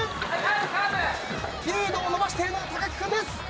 リードを伸ばしているのは木君です。